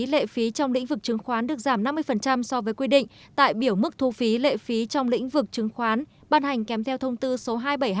lệ phí trong lĩnh vực chứng khoán được giảm năm mươi so với quy định tại biểu mức thu phí lệ phí trong lĩnh vực chứng khoán ban hành kém theo thông tư số hai trăm bảy mươi hai hai nghìn một mươi sáu